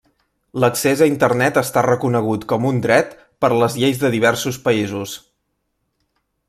L'accés a Internet està reconegut com un dret per les lleis de diversos països.